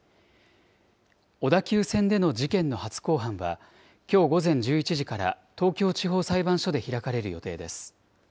小田急線での事件の初公判は、きょう午前１１時から東京地方裁判所で開かれる予定です。